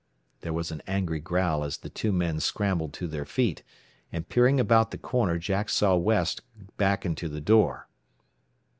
There was an angry growl as the two men scrambled to their feet, and peering about the corner Jack saw West back into the door.